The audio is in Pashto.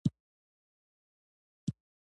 خطر تبدیل شو.